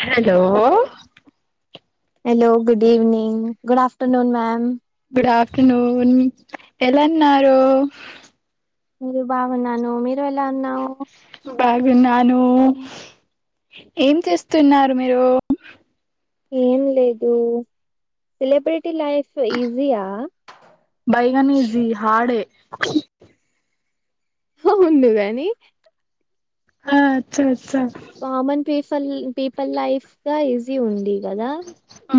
Hello hello good evening, good afternoon ma'am good afternoon ఎలాన్నారు? మీరు బాగున్నాను మీరు? బాగున్నాను ఏం చేస్తున్నారు మీరు? ఏం లేదు సెలబ్రిటీ లైఫ్ ఈజీయా బైగానీజీ హాడే ఉహ్హ్ను గాని ఆ చూసా కామన్ పీపుల్ పీపుల్ లైఫ్ గా ఈజీ ఉంది కదా. ఆ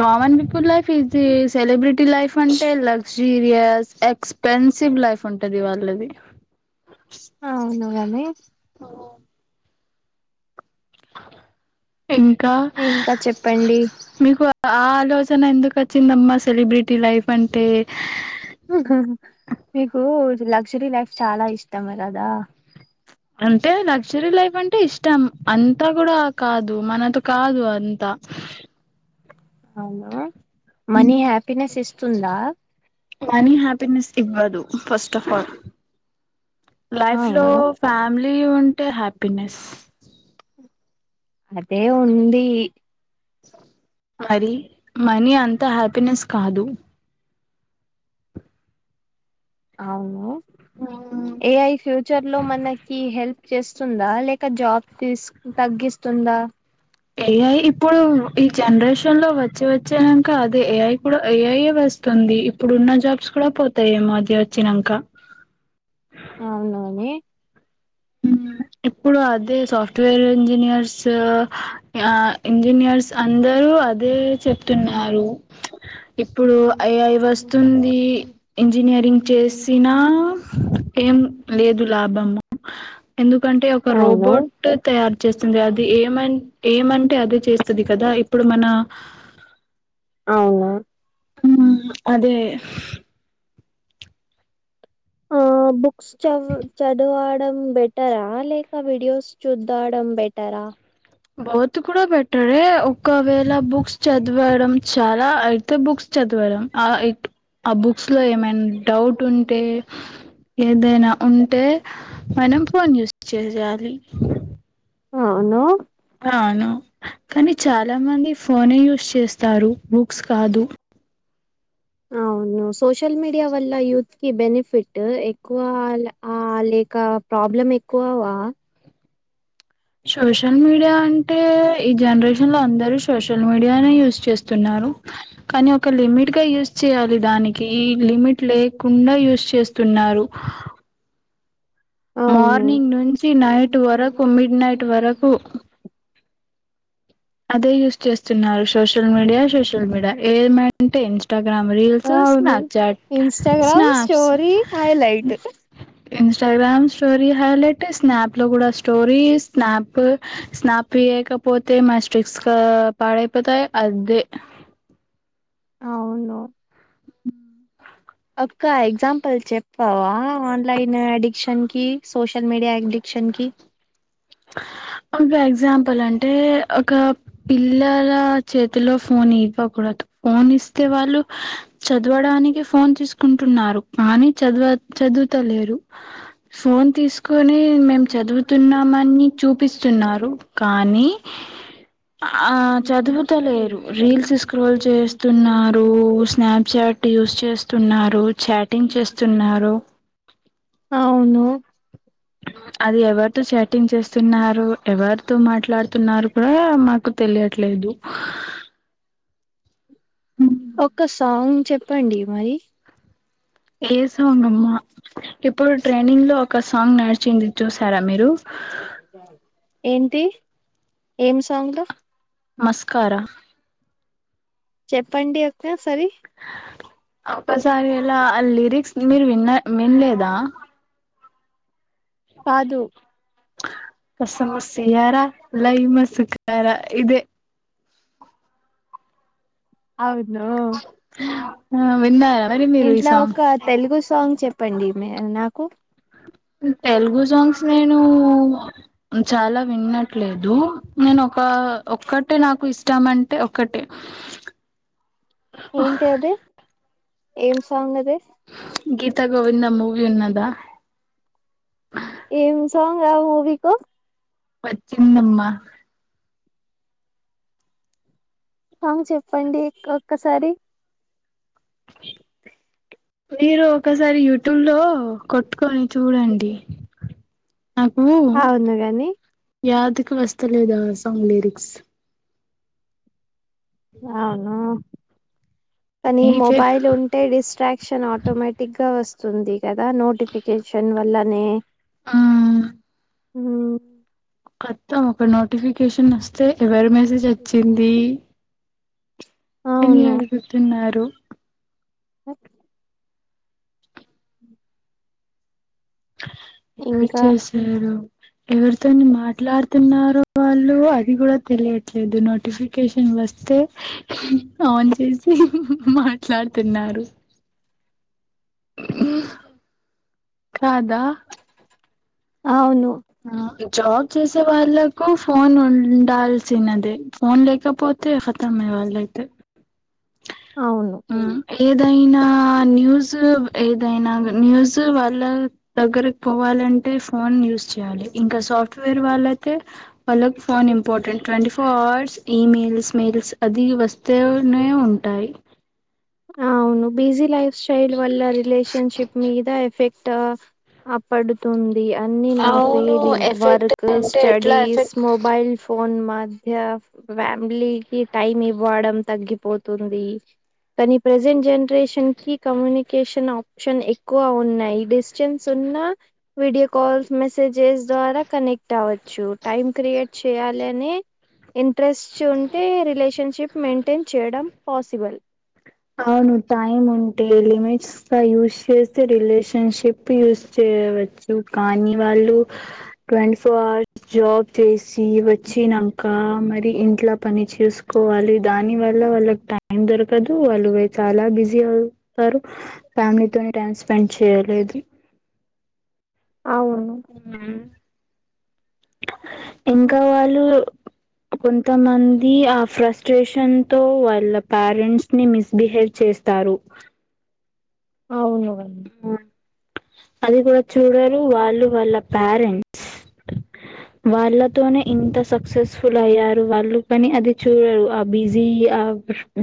కామన్ పీపుల్ లైఫ్ ఇది సెలబ్రిటీ లైఫ్ అంటే లవ్స్ జీరియస్ ఎక్స్పెన్సివ్ లైఫ్ ఉంటది వాళ్ళది. అవునుగానే ఇంకా మీకు ఆ ఆలోచన ఎందుకు వచ్చిందమ్మా సెలబ్రిటీ లైఫ్ అంటే మీకు లగ్జరీ లైఫ్ చాలా ఇష్టమే కదా అంతే లగ్జరీ లైఫ్ అంటే ఇష్టం అంతా కూడా కాదు మనతో కాదు అంతా ఆ అవును మనీ హ్యాపీనెస్ ఇస్తుందా ఇవ్వదు ఫస్ట్ ఆఫ్ ఆల్ లైఫ్ లో ఫ్యామిలీ ఉ టే హప్పినెస్స్ అదే ఉంది మరి మనీ అంతా హ్యాపీనెస్ కాదు అవును ఏఐ ఫ్యూచర్ లో మనకి హెల్ప్ చేస్తుందా లేక జాబ్ తీసు తగ్గిస్తుందా ఏఐ ఇప్పుడు ఈ జనరేషన్ లో వచ్చి వచ్చాక అదే ఏఐ కూడా ఏఐఏ వస్తు వస్తుంది ఇప్పుడు ఉన్న జాబ్స్ కూడా పోతాయేమో వచ్చినాక అవును అని ఇప్పుడు అదే సాఫ్ట్వేర్ ఇంజనీయర్స్ ఇంజనీయర్స్ అందరూ అదే చెప్తున్నారు ఇప్పుడు ఐఐ వస్ వస్తుంది ఇంజనీరింగ్ చేసినా ఏం లేదు లాభము ఎందుకంటే ఒక రోబోట్ తయారు చేస్తుంది అది ఏమ ఏమంటే అదే చేస్తుంది కదా ఇప్పుడు మన అవును ఉ అదే ఆ బుక్స్ చ చదవ డం బెటరా లేక వీడియోస్ చూద్దడం బెటరా బోత్ కూడా బెట్టరే ఒకవేళ బుక్స్ చదివడం చాలా అయితే బుక్స్ చదివడం ఆ ఆ బుక్స్ లో ఏమైనా డౌట్ ఉంటే ఏదైనా ఉంటే మనం ఫోన్ యూస్ చేయాలి ఆవును అవును కానీ చాలా మంది ఫోనే యూస్ చేస్తారు బుక్స్ కాదు అవును సోషల్ మీడియా వల్ల యూత్ కి బెనిఫిట్ ఎక్కువ ఆ లే ఇంకా ప్రాబ్లం ఎక్కువవా సోషల్ మీడియా అంటే ఈ జనరేషన్ లో అంద రూ సోషల్ మీడియా చేస్తున్నారు కానీ ఒక లిమిట్ గా యూస్ చేయాలి దానికి లిమిట్ లేకుండా యూజ్ చేస్తున్నారు మార్నింగ్ నుంచి నైట్ వరకు మిడ్ నైట్ వరకు అదే యూజ్ చేస్తున్నారు సోషల్ మీడియా సోషల్ మీడియా ఏమంటే Instagram reels Snapchat snaps Instagram story highlight snap లో కూడా స్టోరీ స్నాప్ స్నాప్ యకపోతే మాస్ట్రిక్స్ పాడైపోతాయి అదే అవును ఒక్క ఎగ్జాంపుల్ చెప్పావా ఆన్లైన్ అడిక్షన్ కి సోషల్ మీడియా అడిక్షన్ షన్కి ఇ ఎగ్జాంపుల్ అంటే ఒక పిల్లల చేతిలో ఫోన్ ఇవ్వకూడదు ఫోన్ ఇస్తే వాళ్ళు చదవడానికి ఫోన్ తీసుకు కుంటున్నారు కానీ చదువ చదువుతలేరు ఫోన్ తీస్కొని మేం చదువుతున్న మని చూపిస్తున్నారు కానీ ఆ చదువుతలేరు రీల్స్ స్క్రోల్ చేస్తున్నారు స్నాప్చాట్ యు యూస్ చేస్తున్నారు, చాటింగ్ చేస్తున్నారు. అవును అది ఎవర్తో చాటింగ్ చేస్తున్నారు ఎవర్తో మాట్లాడుతున్నారు కూడా మాకు తెలియట్లేదు. ఒక్క సాంగ్ చెప్పండి మరి ఏ సాంగ్ అమ్మా ఇప్పుడు ట్రైనింగ్లో ఒక సాంగ్ నడిచింది చూసారా మీరు ఏంటి ఏం సాంగ్ మస్కారా చెప్పండి ఒక్క సరి ఒక్కసారి ఎలా ఆ లిరిక్స్ మీరు విన్న విన్లేదా? కాదు కస మసియార లై మసుఖార ఇదే అవున ఆ విన్నర ఇంట్ల ఒక తెలుగు సాంగ్ చెప్పండి మే నాకు తెలుగు సాంగ్స్ నేనూ చాలా విన్నట్లేదు నేనొకా ఒక్కట్ టే నాకు ఇష్టం అంటే ఒకటే ఏంటే అది ఏం సాంగ్ అది గీతా గోవిందం మూవీ ఉన్నదా ఏం సాంగ్ ఆ మూవీకో వచ్చిందమ్మా. ఆ చెప్పండి ఇంకొక్కసారి మీరు ఒకసారి యు ట్యూబ్లో కొట్టుకొని చూడండి. అవును గని యాదికి వస్తలేదా సాంగ్ లిరిక్స్ అవును కనీ మొబైల్ ఉంటే డిస్ట్రాక్షన్ ఆటోమేటిక్గా వస్ స్తుంది కదా నోటిఫికేషన్ వల్లనే ఆ మ్ కత్తం ఒక నోటిఫికేషన్ వస్తే ఎవరి మెసేజ్ అచ్చింది. అని అడుగుతున్నారు. అ ఎవర్ చేశారు ఎవర్తోని మాట్లాడ్ తున్నారో వాళ్ళు అది కూడా తెలియట్లేదు నోటిఫికేషన్ వస్తే ఆన్ చేసి మాట్లాడ్తున్నారు. ఉమ్ కాదా అవును ఆ జాబ్ చేసే వాళ్ళలకు ఫోన్ ఉండాల్సినదే ఫోన్ లేకపోతే ఫతమే వాళ్లయితే ఏదైనా న్యూస్ సులు ఏదైనా న్యూస్ వాళ్ళ దగ్గరకి పోవాలంటే ఫోన్ యూస్ చేయాలి ఇంకా సాఫ్ట్వేర్ వాళ్ళయితే వాళ్ళక్ phone important twenty four hours emails mails అది వస్తే ఉన్నాయి ఉంటాయి అవును బిజీ లైఫ్ స్టైల్ వల్ల రిలేషన్షిప్ మీద ఎఫెక్ టు ఆ పడుతుంది అన్ని నా feeling work studies mobile phone మా మధ్య ఫ్యామిలీకి టైమ్ ఇవ్వడం తగ్గిపోతుంది కానీ ప్రెజెంట్ జనరేషన్ కి కమ్యూనికేషన్ ఆప్షన్ ఎ ఎక్కువ ఉన్నాయి డిస్టెన్స్ ఉన్నా వీడియో కాల్స్ మెసేజెస్ ద్వారా కనెక్ట్ అవచ్ చ్చు టైం క్రియేట్ చేయాలని ఇంట్రెస్ట్ ఉంటే రిలేషన్షిప్ మెయింటైన్ చేయడం పాజిబుల్ అవును టైమ్ ఉంటే లిమిట్స్ యూస్ చేస్తే రిలేషన్షిప్ యూస్ చేయవచ్చు కానీ వాళ్ళు ట్వంటీ ఫోర్ అవర్స్ జాబ్ చేసి వచ్చినాక మరి ఇంట్లా పని చేసుకోవాలి దాని వల్ల వాళ్ళకి టైం దొరకదు వాళ్ళు చాలా బిజీ అవుతారు ఫ్యామిలీతో టైమ్ స్పెండ్ చేయలేదు ఆ ఇంకా వాళ్ళు కొంతమంది ఆ ఫ్రెస్టేషన్తో వాళ్ళ పేరెంట్స్ ని మిస్బిహేవ్ చేస్తారు అవునవును అది కూడా చూడరు వాళ్ళు వాళ్ళ పేరెంట్స్ వాళ్ళతోనే ఇంత సక్సెస్ఫుల్ అయ్యారు వాళ్ళు పని అది చూడరు ఆ బిజీ ఆ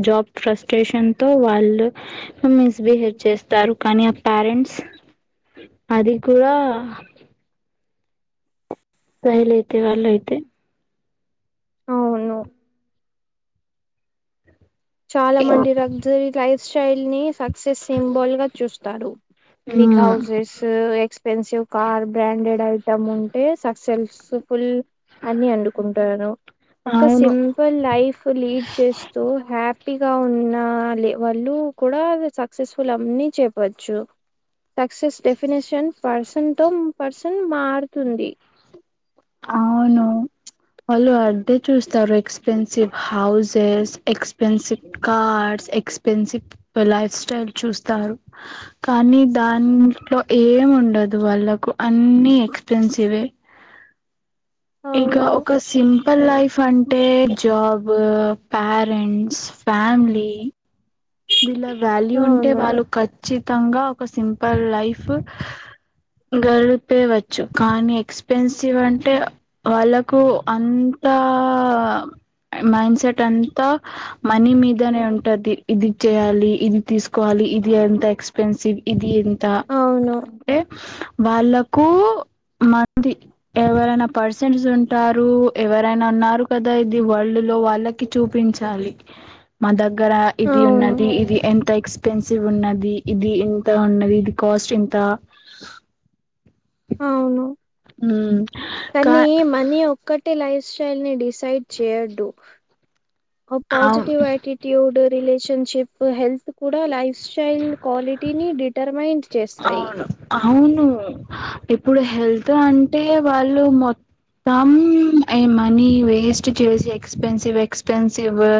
జాబ్ ఫ్రస్ట్రేషన్ తో వాళ్ళు మిస్ బిహేవ్ చేస్తారు కానీ ఆ పేరెంట్స్ అదికూడా సైలెంట్ వాళ్ళు అయితే చాలా మంది లగ్జరీ లైఫ్ స్టైల్ ని సక్సెస్ సింబల్ గా చూస్తారు big houses expensive car branded item ఉంటే సక్సెల్స్ ఫుల్ అన్ని అండుకుంటారు ఒక సింపుల్ లైఫ్ లీడ్ చేస్తూ హ్యా పీగా ఉన్న వాళ్ళు కూడా సక్సెస్ఫుల్ అన్నీ చెప్పచ్చు success definition person to person మారుతుంది అవును వాళ్ళు అడే చూస్తారు expensive houses expensive cars ఎక్పెన్వ్ life style చూస్తారు కానీ దాంట్లో ఏ మ్ ఉండదు వాళ్ళకు అన్ని ఎక్స్పెన్సివే ఇక ఒక సింపుల్ లైఫ్ అంటే జాబ్ పేరెంట్స్ ఫ్యామలీ వీళ్ళ వాల్యూ ఉంటే వాళ్ళు ఖచ్చిత తంగా ఒక సింపుల్ లైఫ్ గడిపేయవచ్చు కానీ ఎక్స్పెన్సివ్ అంటే వాళ్ళకు అంతా మైండ్ సెట్ అంతా మనీ మీదనే ఉంటది ఇది చేయాలి ఇది తీసుకోవాలి ఇది ఎంత ఎక్స్పెన్సివ్ ఇది ఇంత అంటే వాళ్ళకు మ ఎవరైనా పర్సంజ్ ఉంటారు ఎవరైనా ఉన్నారు కదా ఇది వరల్డ్ లో వాళ్ళకి చూపించాలి మా దగ్గర ఇది ఉన్నది ఇది ఎంత ఎక్స్పెన్సివ్ ఉన్నది ఇది ఎంత ఉన్నది ఇది కాస్ట్ ఎంత అవును కానీ మనీ ఒక్కటి లైఫ్ స్టైల్ డిసైడ్ చేయడు ఆ పాజిటివ్ ఆటిట్యూడ్ రిలేషన్షిప్ హెల్త్ కూడా లైఫ్ స్టైల్ క్వాలిటీని డిటర్మైంట్ అవును అవును ఇప్పుడు హెల్త్ అంటే వాళ్ళు మొ తమ్ ఏ మనీ వేస్ట్ చేసి ఎక్స్పెన్సివ్ ఎక్స్పెన్సివ్ ఎ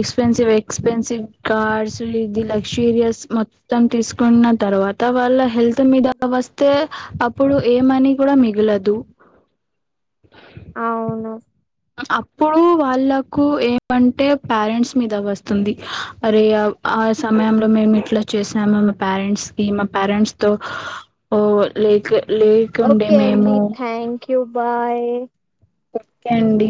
ఎక్స్పెన్సవ్ ఎక్స్పెన్సివ్ కార్స్ ఇది లక్షూరియస్ మ త్తం తీసుకున్న తర్వాత వాళ్ళ హెల్త్ మీద వస్తే ఇప్పుడు ఏ మనీ కూడా మిగిలదు అవును అప్పుడు వాళ్ళకు ఏమంటే పేరెంట్స్ మీద వస్తుంది అరే ఆ సమయంలో మేము ఇట్లా చేసాము మా పేరెంట్స్ కి మా పేరెంట్స్ తో ఓ లేక లేకు ఉండే మేము బాయ్ ఒక అండీ